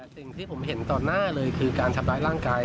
สิ่งที่ผมเห็นต่อหน้าเลยคือการทำร้ายร่างกาย